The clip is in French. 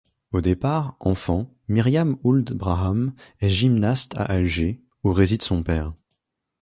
Au départ, enfant, Myriam Ould-Braham est gymnaste à Alger, où réside son père.